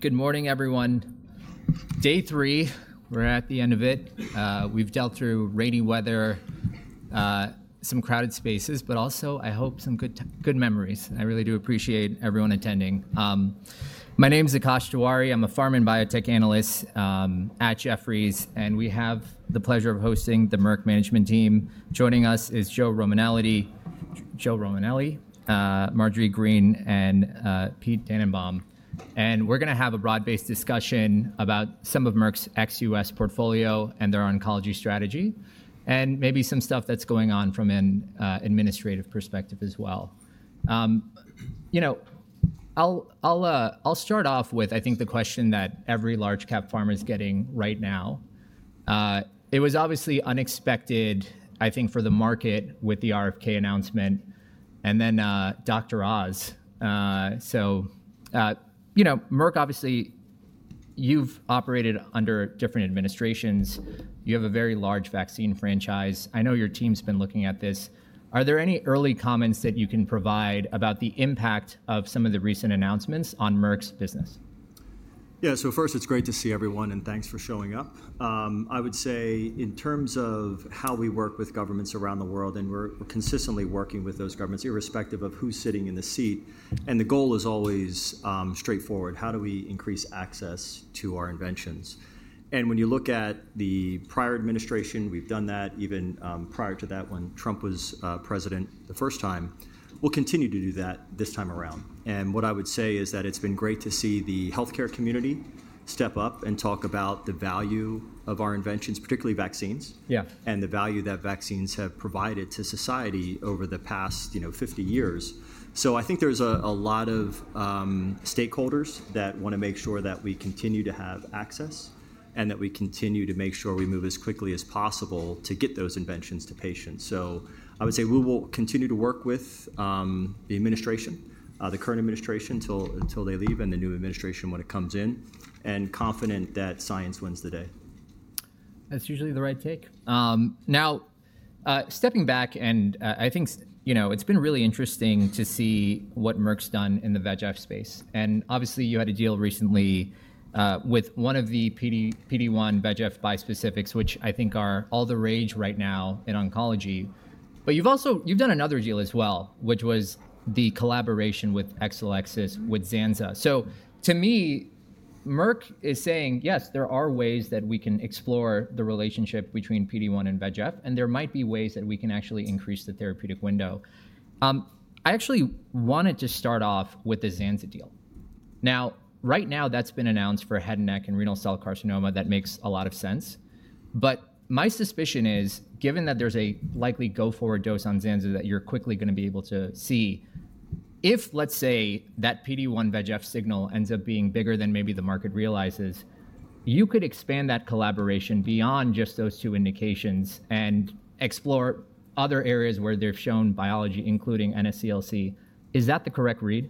Good morning, everyone. Day three, we're at the end of it. We've dealt through rainy weather, some crowded spaces, but also, I hope, some good memories. I really do appreciate everyone attending. My name is Akash Tewari. I'm a pharma and biotech analyst at Jefferies, and we have the pleasure of hosting the Merck management team. Joining us is Joe Romanelli, Marjorie Green, and Pete Dannenbaum and we're going to have a broad-based discussion about some of Merck's ex-US portfolio and their oncology strategy, and maybe some stuff that's going on from an administrative perspective as well. I'll start off with, I think, the question that every large-cap pharma is getting right now. It was obviously unexpected, I think, for the market with the RFK announcement, and then Dr. Oz, so Merck, obviously, you've operated under different administrations. You have a very large vaccine franchise. I know your team's been looking at this. Are there any early comments that you can provide about the impact of some of the recent announcements on Merck's business? Yeah, so first, it's great to see everyone, and thanks for showing up. I would say, in terms of how we work with governments around the world, and we're consistently working with those governments, irrespective of who's sitting in the seat. And the goal is always straightforward: how do we increase access to our inventions? And when you look at the prior administration, we've done that even prior to that when Trump was president the first time. We'll continue to do that this time around. And what I would say is that it's been great to see the healthcare community step up and talk about the value of our inventions, particularly vaccines, and the value that vaccines have provided to society over the past 50 years. So, I think there's a lot of stakeholders that want to make sure that we continue to have access and that we continue to make sure we move as quickly as possible to get those inventions to patients. So, I would say we will continue to work with the administration, the current administration, until they leave, and the new administration when it comes in, and confident that science wins the day. That's usually the right take. Now, stepping back, and I think it's been really interesting to see what Merck's done in the VEGF space, and obviously, you had a deal recently with one of the PD-1/VEGF bispecifics, which I think are all the rage right now in oncology, but you've done another deal as well, which was the collaboration with Exelixis with Zanza, so to me, Merck is saying, yes, there are ways that we can explore the relationship between PD-1 and VEGF, and there might be ways that we can actually increase the therapeutic window. I actually wanted to start off with the Zanza deal. Now, right now, that's been announced for head and neck and renal cell carcinoma. That makes a lot of sense. But my suspicion is, given that there's a likely go-forward dose on Zanza that you're quickly going to be able to see, if, let's say, that PD-1/VEGF signal ends up being bigger than maybe the market realizes, you could expand that collaboration beyond just those two indications and explore other areas where they've shown biology, including NSCLC. Is that the correct read?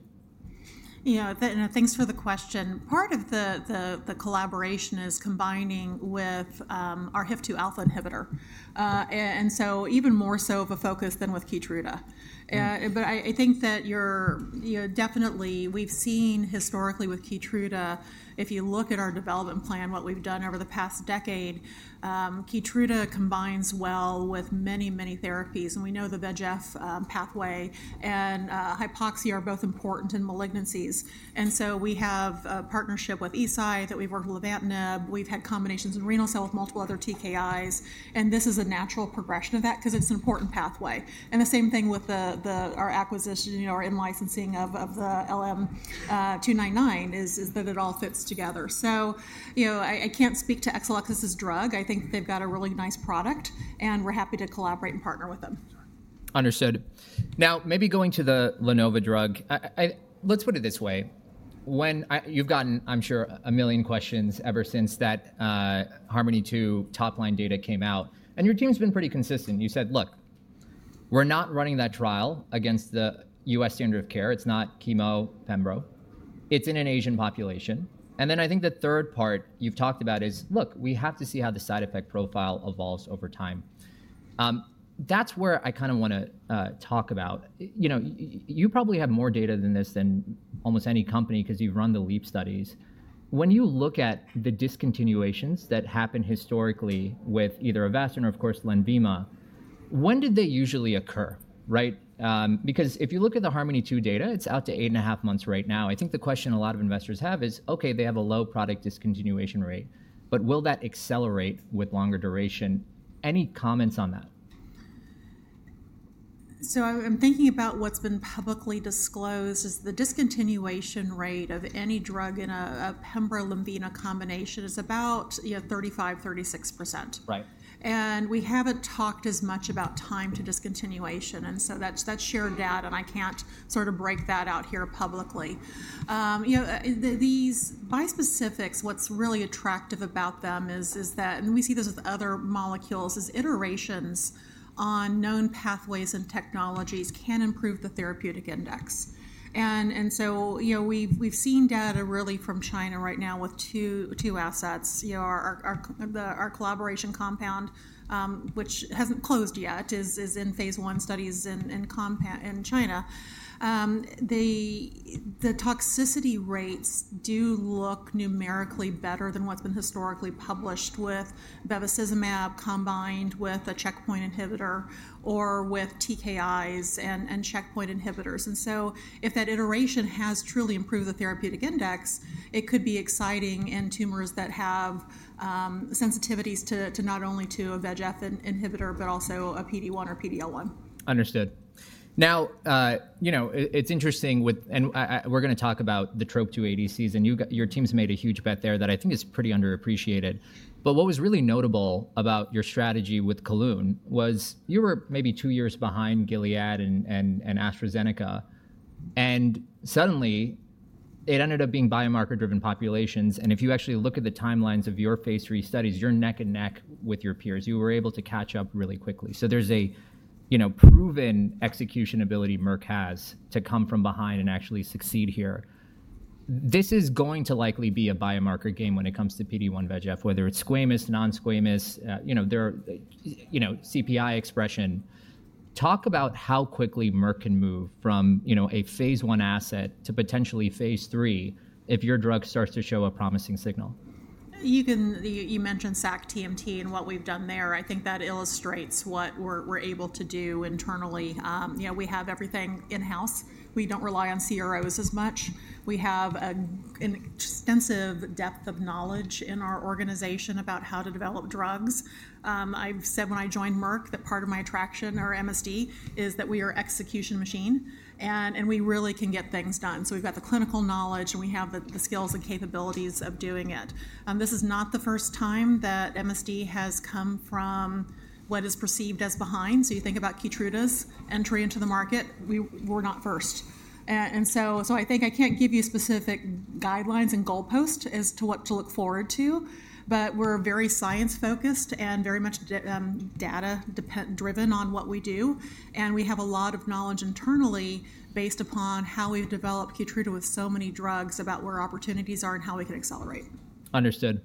Yeah, thanks for the question. Part of the collaboration is combining with our HIF-2 alpha inhibitor, and so even more so of a focus than with Keytruda. But I think that definitely we've seen historically with Keytruda, if you look at our development plan, what we've done over the past decade, Keytruda combines well with many, many therapies. And we know the VEGF pathway and hypoxia are both important in malignancies. And so we have a partnership with Eisai that. We've had combinations in renal cell with multiple other TKIs. And this is a natural progression of that because it's an important pathway. And the same thing with our acquisition, our in-licensing of the LM-299, is that it all fits together. So I can't speak to Exelixis's drug. I think they've got a really nice product, and we're happy to collaborate and partner with them. Understood. Now, maybe going to the LaNova drug, let's put it this way. You've gotten, I'm sure, a million questions ever since that HARMONi-2 top-line data came out. Your team's been pretty consistent. You said, look, we're not running that trial against the U.S. standard of care. It's not Chemo Pembro. It's in an Asian population. Then I think the third part you've talked about is, look, we have to see how the side effect profile evolves over time. That's where I kind of want to talk about. You probably have more data than this than almost any company because you've run the LEAP studies. When you look at the discontinuations that happened historically with either Avastin or, of course, LENVIMA, when did they usually occur? Because if you look at the HARMONi-2 data, it's out to eight and a half months right now. I think the question a lot of investors have is, OK, they have a low product discontinuation rate, but will that accelerate with longer duration? Any comments on that? I'm thinking about what's been publicly disclosed is the discontinuation rate of any drug in a pembro-LENVIMA combination is about 35%, 36%. We haven't talked as much about time to discontinuation. That's shared data, and I can't sort of break that out here publicly. These bispecifics, what's really attractive about them is that, and we see this with other molecules, is iterations on known pathways and technologies can improve the therapeutic index. We've seen data really from China right now with two assets. Our collaboration compound, which hasn't closed yet, is in phase I studies in China. The toxicity rates do look numerically better than what's been historically published with bevacizumab combined with a checkpoint inhibitor or with TKIs and checkpoint inhibitors. If that iteration has truly improved the therapeutic index, it could be exciting in tumors that have sensitivities not only to a VEGF inhibitor, but also a PD-1 or PD-L1. Understood. Now, it's interesting, and we're going to talk about the TROP-2 ADCs, and your team's made a huge bet there that I think is pretty underappreciated, but what was really notable about your strategy with Kelun was you were maybe two years behind Gilead and AstraZeneca, and suddenly, it ended up being biomarker-driven populations, and if you actually look at the timelines of your phase III studies, you're neck and neck with your peers. You were able to catch up really quickly, so there's a proven execution ability Merck has to come from behind and actually succeed here. This is going to likely be a biomarker game when it comes to PD-1/VEGF, whether it's squamous, non-squamous, CPS expression. Talk about how quickly Merck can move from a phase I asset to potentially phase III if your drug starts to show a promising signal. You mentioned sac-TMT and what we've done there. I think that illustrates what we're able to do internally. We have everything in-house. We don't rely on CROs as much. We have an extensive depth of knowledge in our organization about how to develop drugs. I've said when I joined Merck that part of my attraction to MSD is that we are an execution machine, and we really can get things done. So we've got the clinical knowledge, and we have the skills and capabilities of doing it. This is not the first time that MSD has come from what is perceived as behind, so you think about Keytruda's entry into the market. We're not first, and so I think I can't give you specific guidelines and goalposts as to what to look forward to, but we're very science-focused and very much data-driven on what we do. We have a lot of knowledge internally based upon how we've developed Keytruda with so many drugs, about where opportunities are and how we can accelerate. Understood.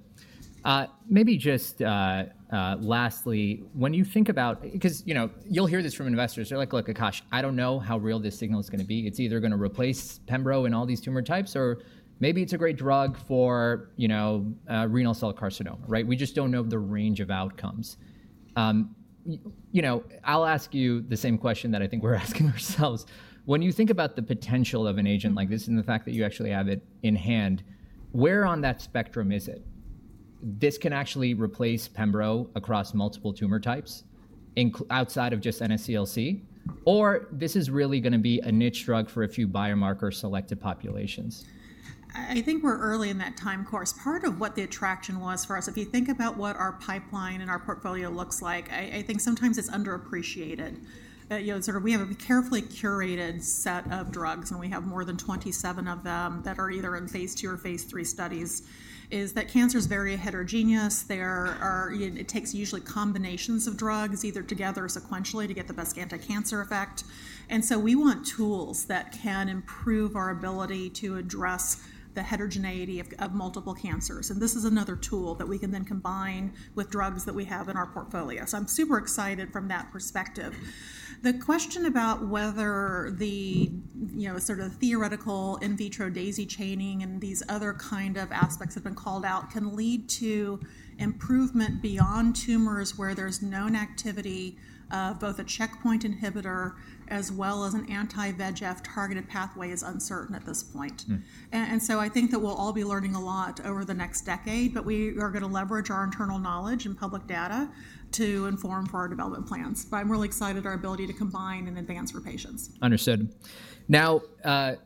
Maybe just lastly, when you think about, because you'll hear this from investors, they're like, look, Akash, I don't know how real this signal is going to be. It's either going to replace pembro in all these tumor types, or maybe it's a great drug for renal cell carcinoma. We just don't know the range of outcomes. I'll ask you the same question that I think we're asking ourselves. When you think about the potential of an agent like this and the fact that you actually have it in hand, where on that spectrum is it? This can actually replace pembro across multiple tumor types outside of just NSCLC, or this is really going to be a niche drug for a few biomarker-selected populations? I think we're early in that time course. Part of what the attraction was for us, if you think about what our pipeline and our portfolio looks like, I think sometimes it's underappreciated. We have a carefully curated set of drugs, and we have more than 27 of them that are either in phase II or phase III studies. That's because cancers are very heterogeneous. It takes usually combinations of drugs either together or sequentially to get the best anti-cancer effect. And so we want tools that can improve our ability to address the heterogeneity of multiple cancers. And this is another tool that we can then combine with drugs that we have in our portfolio. So I'm super excited from that perspective. The question about whether the sort of theoretical in vitro daisy chaining and these other kind of aspects have been called out can lead to improvement beyond tumors where there's known activity of both a checkpoint inhibitor as well as an anti-VEGF targeted pathway is uncertain at this point, and so I think that we'll all be learning a lot over the next decade, but we are going to leverage our internal knowledge and public data to inform for our development plans, but I'm really excited about our ability to combine and advance for patients. Understood. Now, I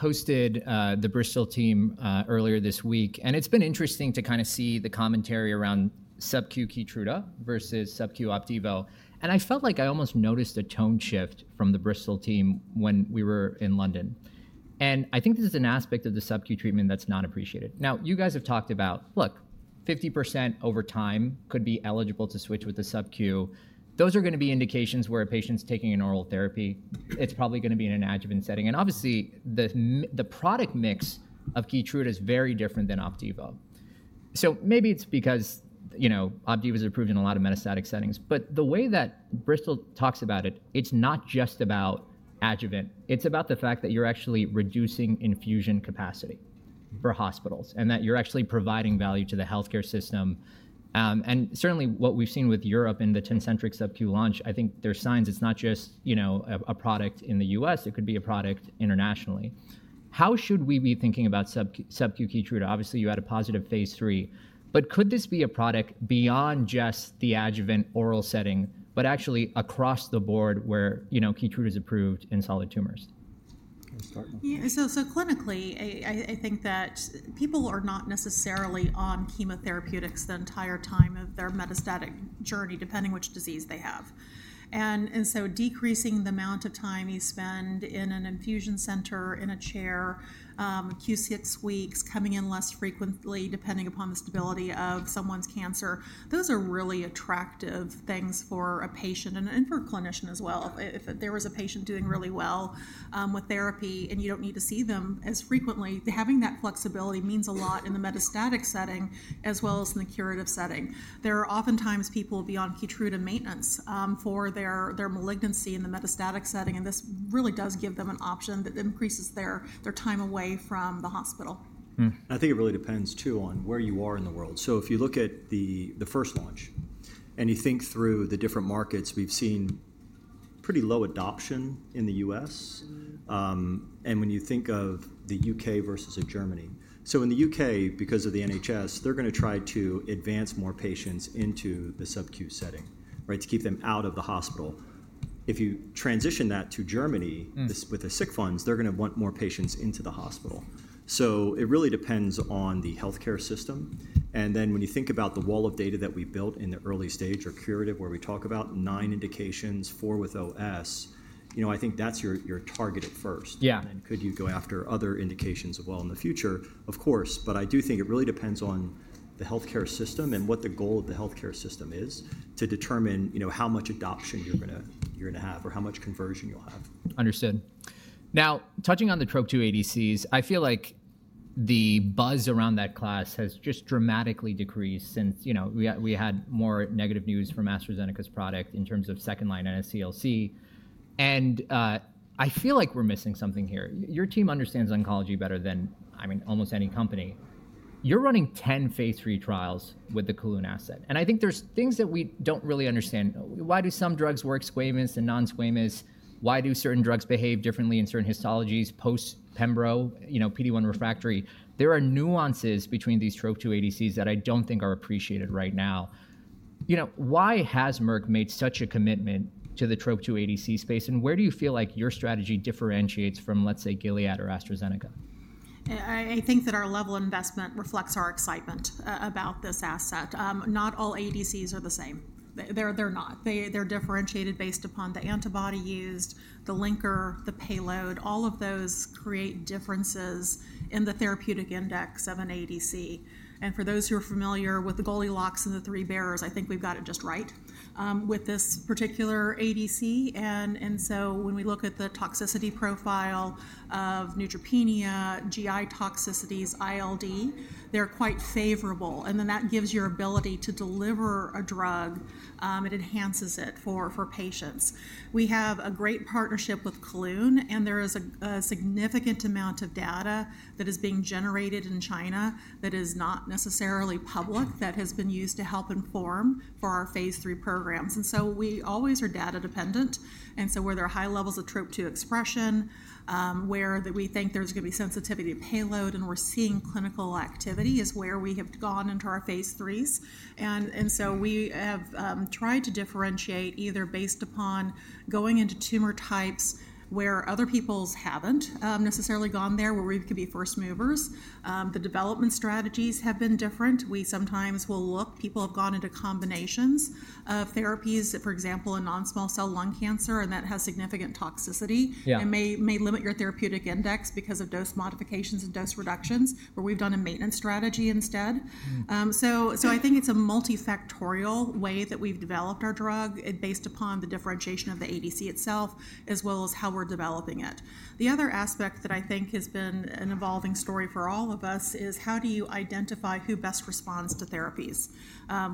hosted the Bristol team earlier this week, and it's been interesting to kind of see the commentary around subq Keytruda versus subq Opdivo, and I felt like I almost noticed a tone shift from the Bristol team when we were in London, and I think this is an aspect of the subq treatment that's not appreciated. Now, you guys have talked about, look, 50% over time could be eligible to switch with the subq. Those are going to be indications where a patient's taking an oral therapy. It's probably going to be in an adjuvant setting, and obviously, the product mix of Keytruda is very different than Opdivo, so maybe it's because Opdivo is approved in a lot of metastatic settings, but the way that Bristol talks about it, it's not just about adjuvant. It's about the fact that you're actually reducing infusion capacity for hospitals and that you're actually providing value to the healthcare system. And certainly, what we've seen with Europe in the Tecentriq subq launch, I think there's signs it's not just a product in the U.S. It could be a product internationally. How should we be thinking about subq Keytruda? Obviously, you had a positive phase III. But could this be a product beyond just the adjuvant oral setting, but actually across the board where Keytruda is approved in solid tumors? Yeah. So clinically, I think that people are not necessarily on chemotherapeutics the entire time of their metastatic journey, depending which disease they have. And so decreasing the amount of time you spend in an infusion center, in a chair, Q6 weeks, coming in less frequently, depending upon the stability of someone's cancer, those are really attractive things for a patient and for a clinician as well. If there was a patient doing really well with therapy and you don't need to see them as frequently, having that flexibility means a lot in the metastatic setting as well as in the curative setting. There are oftentimes people who will be on Keytruda maintenance for their malignancy in the metastatic setting. And this really does give them an option that increases their time away from the hospital. I think it really depends, too, on where you are in the world. So if you look at the first launch and you think through the different markets, we've seen pretty low adoption in the U.S. And when you think of the U.K. versus Germany, so in the U.K., because of the NHS, they're going to try to advance more patients into the subq setting to keep them out of the hospital. If you transition that to Germany with the sick funds, they're going to want more patients into the hospital. So it really depends on the healthcare system. And then when you think about the wall of data that we built in the early stage or curative, where we talk about nine indications, four with OS, I think that's your target at first. And then could you go after other indications well in the future? Of course. But I do think it really depends on the healthcare system and what the goal of the healthcare system is to determine how much adoption you're going to have or how much conversion you'll have. Understood. Now, touching on the TROP-2 ADCs, I feel like the buzz around that class has just dramatically decreased since we had more negative news from AstraZeneca's product in terms of second-line NSCLC. And I feel like we're missing something here. Your team understands oncology better than, I mean, almost any company. You're running 10 phase III trials with the Kelun asset. And I think there's things that we don't really understand. Why do some drugs work squamous and non-squamous? Why do certain drugs behave differently in certain histologies post-pembro, PD-1 refractory? There are nuances between these TROP-2 ADCs that I don't think are appreciated right now. Why has Merck made such a commitment to the TROP-2 ADC space? And where do you feel like your strategy differentiates from, let's say, Gilead or AstraZeneca? I think that our level of investment reflects our excitement about this asset. Not all ADCs are the same. They're not. They're differentiated based upon the antibody used, the linker, the payload. All of those create differences in the therapeutic index of an ADC. And for those who are familiar with the Goldilocks and the Three Bears, I think we've got it just right with this particular ADC. And so when we look at the toxicity profile of neutropenia, GI toxicities, ILD, they're quite favorable. And then that gives your ability to deliver a drug. It enhances it for patients. We have a great partnership with Kelun, and there is a significant amount of data that is being generated in China that is not necessarily public that has been used to help inform for our phase III programs. And so we always are data dependent. And so where there are high levels of TROP-2 expression, where we think there's going to be sensitivity to payload and we're seeing clinical activity is where we have gone into our phase IIIs. And so we have tried to differentiate either based upon going into tumor types where other people's haven't necessarily gone there, where we could be first movers. The development strategies have been different. We sometimes will look. People have gone into combinations of therapies, for example, in non-small cell lung cancer, and that has significant toxicity and may limit your therapeutic index because of dose modifications and dose reductions, where we've done a maintenance strategy instead. So I think it's a multifactorial way that we've developed our drug based upon the differentiation of the ADC itself, as well as how we're developing it. The other aspect that I think has been an evolving story for all of us is how do you identify who best responds to therapies?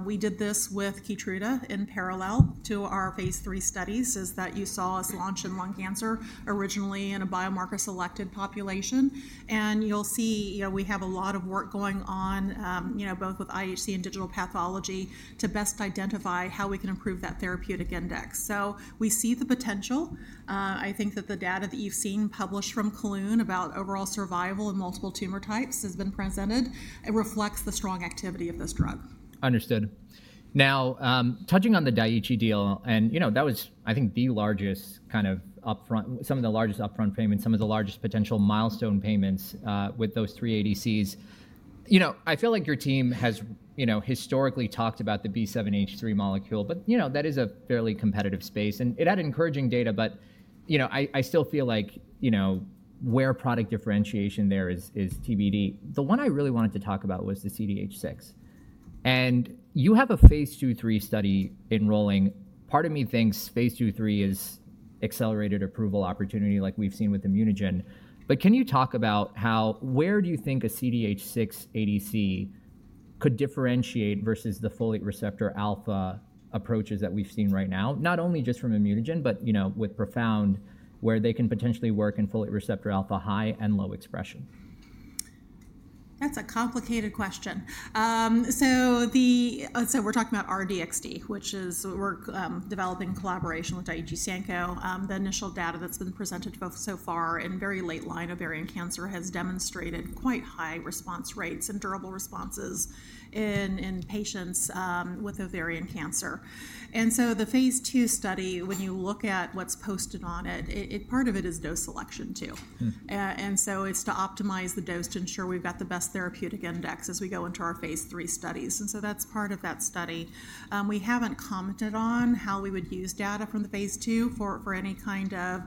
We did this with Keytruda in parallel to our phase III studies, as you saw us launch in lung cancer originally in a biomarker-selected population, and you'll see we have a lot of work going on both with IHC and digital pathology to best identify how we can improve that therapeutic index, so we see the potential. I think that the data that you've seen published from Kelun about overall survival in multiple tumor types has been presented. It reflects the strong activity of this drug. Understood. Now, touching on the Daiichi deal, and that was, I think, the largest kind of upfront, some of the largest upfront payments, some of the largest potential milestone payments with those three ADCs. I feel like your team has historically talked about the B7-H3 molecule, but that is a fairly competitive space. And it had encouraging data, but I still feel like where product differentiation there is TBD. The one I really wanted to talk about was the CDH6. And you have a phase II, III study enrolling. Part of me thinks phase II, III is accelerated approval opportunity like we've seen with ImmunoGen. But can you talk about where do you think a CDH6 ADC could differentiate versus the folate receptor alpha approaches that we've seen right now, not only just from ImmunoGen, but with Profound, where they can potentially work in folate receptor alpha high and low expression? That's a complicated question, so we're talking about R-DXd, which we're developing in collaboration with Daiichi Sankyo. The initial data that's been presented so far in very late-line ovarian cancer has demonstrated quite high response rates and durable responses in patients with ovarian cancer, and so the phase II study, when you look at what's posted on it, part of it is dose selection, too. And so it's to optimize the dose to ensure we've got the best therapeutic index as we go into our phase III studies, and so that's part of that study. We haven't commented on how we would use data from the phase II for any kind of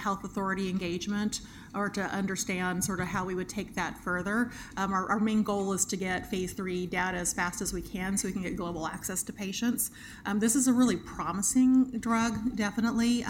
health authority engagement or to understand sort of how we would take that further. Our main goal is to get phase III data as fast as we can so we can get global access to patients. This is a really promising drug, definitely.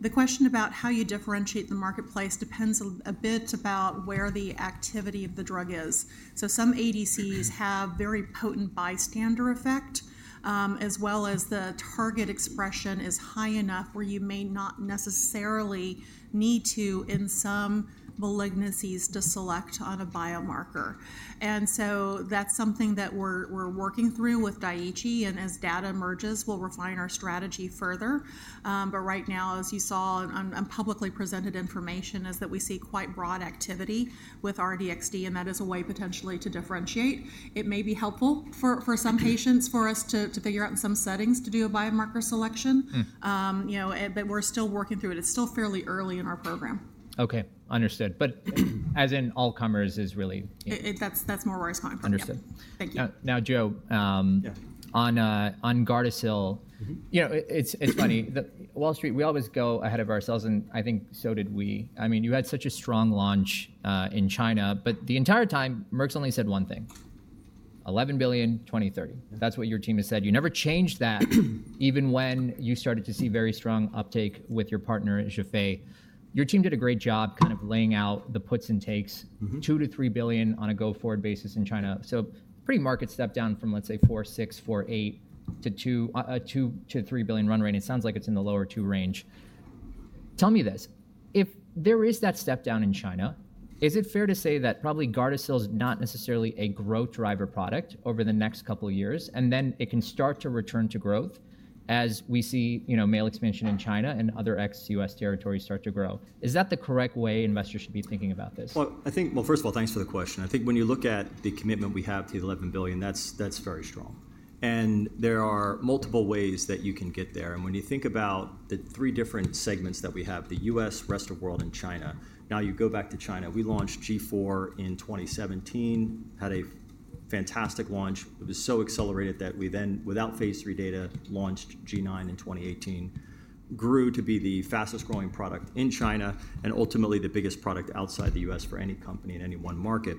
The question about how you differentiate the marketplace depends a bit about where the activity of the drug is. So some ADCs have very potent bystander effect, as well as the target expression is high enough where you may not necessarily need to, in some malignancies, to select on a biomarker. And so that's something that we're working through with Daiichi, and as data emerges, we'll refine our strategy further. But right now, as you saw on publicly presented information, is that we see quite broad activity with R-DXd, and that is a way potentially to differentiate. It may be helpful for some patients for us to figure out in some settings to do a biomarker selection. But we're still working through it. It's still fairly early in our program. Okay. Understood, but as in all comers is really. That's more where I was coming from. Understood. Thank you. Now, Joe, on Gardasil, it's funny. Wall Street, we always go ahead of ourselves, and I think so did we. I mean, you had such a strong launch in China, but the entire time, Merck only said one thing, $11 billion, 2030. That's what your team has said. You never changed that even when you started to see very strong uptake with your partner, Zhifei. Your team did a great job kind of laying out the puts and takes, $2 billion-$3 billion on a go-forward basis in China. So pretty market step down from, let's say, $4.6 billion-$4.8 billion to $2 billion-$3 billion run rate. And it sounds like it's in the lower two range. Tell me this. If there is that step down in China, is it fair to say that probably Gardasil is not necessarily a growth driver product over the next couple of years, and then it can start to return to growth as we see male expansion in China and other ex-US territories start to grow? Is that the correct way investors should be thinking about this? I think, first of all, thanks for the question. I think when you look at the commitment we have to $11 billion, that's very strong. And there are multiple ways that you can get there. And when you think about the three different segments that we have, the U.S., rest of the world, and China, now you go back to China. We launched G4 in 2017, had a fantastic launch. It was so accelerated that we then, without phase III data, launched G9 in 2018, grew to be the fastest growing product in China and ultimately the biggest product outside the U.S. for any company in any one market.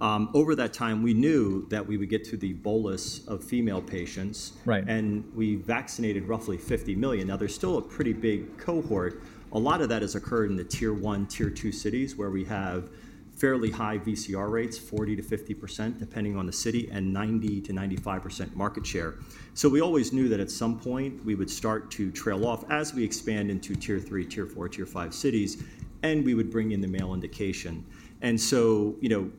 Over that time, we knew that we would get to the bolus of female patients, and we vaccinated roughly 50 million. Now, there's still a pretty big cohort. A lot of that has occurred in the tier 1, tier 2 cities where we have fairly high VCR rates, 40%-50% depending on the city, and 90%-95% market share. So we always knew that at some point we would start to trail off as we expand into tier 3, tier 4, tier 5 cities, and we would bring in the male indication. And so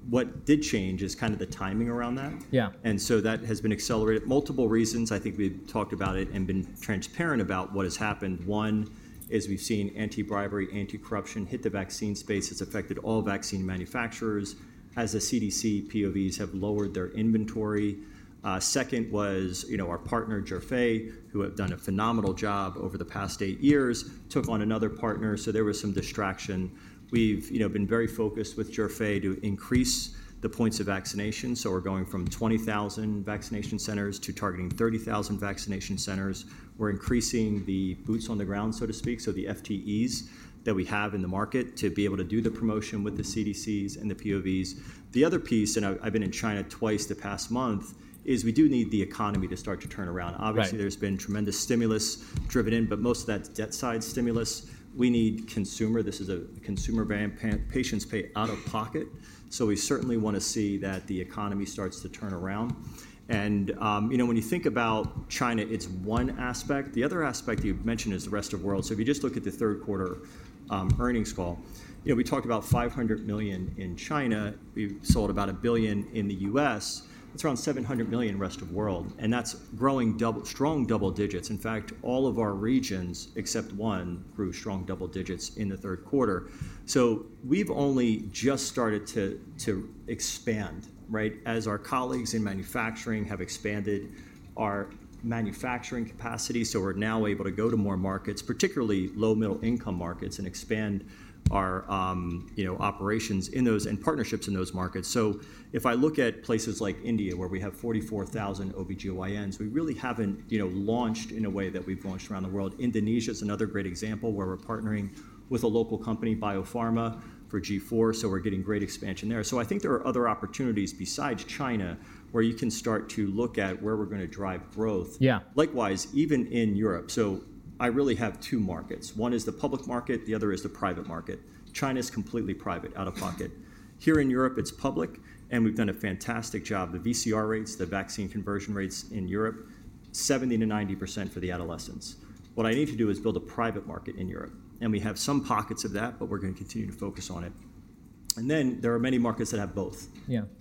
what did change is kind of the timing around that. Yeah. And so that has been accelerated. Multiple reasons. I think we've talked about it and been transparent about what has happened. One is we've seen anti-bribery, anti-corruption hit the vaccine space. It's affected all vaccine manufacturers as the CDC POVs have lowered their inventory. Second was our partner, Zhifei, who had done a phenomenal job over the past eight years, took on another partner. So there was some distraction. We've been very focused with Zhifei to increase the points of vaccination. So we're going from 20,000 vaccination centers to targeting 30,000 vaccination centers. We're increasing the boots on the ground, so to speak, so the FTEs that we have in the market to be able to do the promotion with the CDCs and the POVs. The other piece, and I've been in China twice the past month, is we do need the economy to start to turn around. Obviously, there's been tremendous stimulus driven in, but most of that's debt-side stimulus. We need consumer. This is a consumer vax. Patients pay out of pocket. So we certainly want to see that the economy starts to turn around. And when you think about China, it's one aspect. The other aspect you've mentioned is the rest of the world. So if you just look at the third quarter earnings call, we talked about $500 million in China. We sold about $1 billion in the U.S. That's around $700 million rest of world. And that's growing strong double digits. In fact, all of our regions except one grew strong double digits in the third quarter. So we've only just started to expand as our colleagues in manufacturing have expanded our manufacturing capacity. So we're now able to go to more markets, particularly low middle-income markets, and expand our operations in those and partnerships in those markets. So if I look at places like India, where we have 44,000 OBGYNs, we really haven't launched in a way that we've launched around the world. Indonesia is another great example where we're partnering with a local company, Bio Farma, for G4. So we're getting great expansion there. I think there are other opportunities besides China where you can start to look at where we're going to drive growth. Likewise, even in Europe. I really have two markets. One is the public market. The other is the private market. China is completely private, out of pocket. Here in Europe, it's public, and we've done a fantastic job. The VCR rates, the vaccine coverage rates in Europe, 70%-90% for the adolescents. What I need to do is build a private market in Europe. And we have some pockets of that, but we're going to continue to focus on it. And then there are many markets that have both.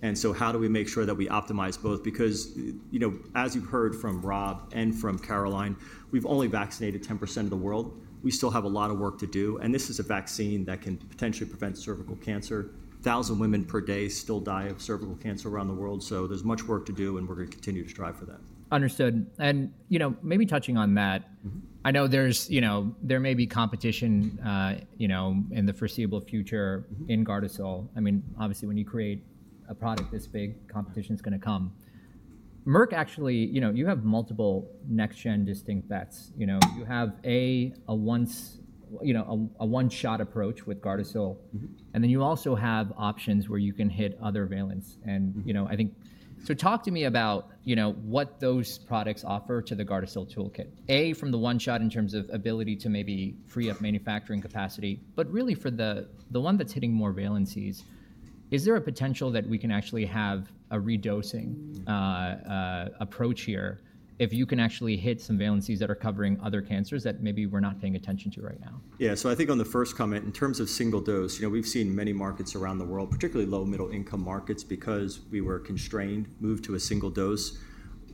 And so how do we make sure that we optimize both? Because as you've heard from Rob and from Caroline, we've only vaccinated 10% of the world. We still have a lot of work to do. This is a vaccine that can potentially prevent cervical cancer. 1,000 women per day still die of cervical cancer around the world. There's much work to do, and we're going to continue to strive for that. Understood, and maybe touching on that. I know there may be competition in the foreseeable future in Gardasil. I mean, obviously, when you create a product this big, competition is going to come. Merck, actually, you have multiple next-gen distinct bets. You have a one-shot approach with Gardasil, and then you also have options where you can hit other valency. And I think so, talk to me about what those products offer to the Gardasil toolkit. A, from the one-shot in terms of ability to maybe free up manufacturing capacity, but really for the one that's hitting more valencies, is there a potential that we can actually have a redosing approach here if you can actually hit some valencies that are covering other cancers that maybe we're not paying attention to right now? Yeah. So I think on the first comment, in terms of single dose, we've seen many markets around the world, particularly low middle-income markets, because we were constrained, moved to a single dose.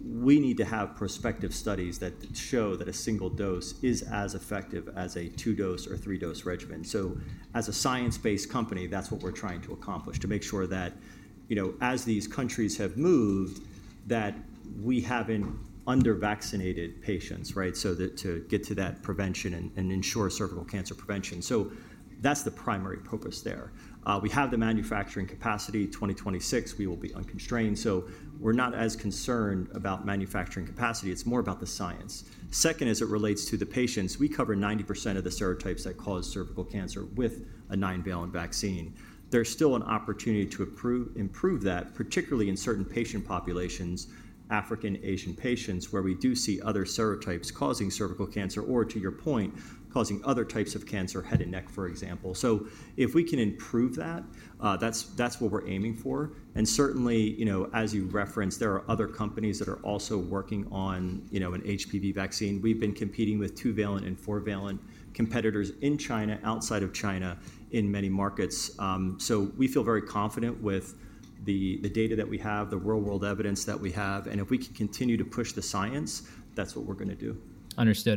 We need to have prospective studies that show that a single dose is as effective as a two-dose or three-dose regimen. So as a science-based company, that's what we're trying to accomplish, to make sure that as these countries have moved, that we haven't undervaccinated patients so to get to that prevention and ensure cervical cancer prevention. So that's the primary purpose there. We have the manufacturing capacity. 2026, we will be unconstrained. So we're not as concerned about manufacturing capacity. It's more about the science. Second, as it relates to the patients, we cover 90% of the serotypes that cause cervical cancer with a nine-valent vaccine. There's still an opportunity to improve that, particularly in certain patient populations, African Asian patients, where we do see other serotypes causing cervical cancer or, to your point, causing other types of cancer, head and neck, for example, so if we can improve that, that's what we're aiming for, and certainly, as you referenced, there are other companies that are also working on an HPV vaccine. We've been competing with two-valent and four-valent competitors in China, outside of China, in many markets, so we feel very confident with the data that we have, the real-world evidence that we have, and if we can continue to push the science, that's what we're going to do. Understood.